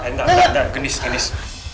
enggak enggak enggak gendis gendis